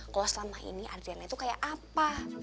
kalau selama ini adriana itu kayak apa